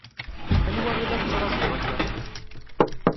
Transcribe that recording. Anwa i la tettṛaǧuḍ akka?